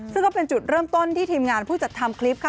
ซึ่งก็เป็นจุดเริ่มต้นที่ทีมงานผู้จัดทำคลิปค่ะ